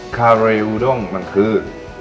คาร์ร์เรย์พังคือ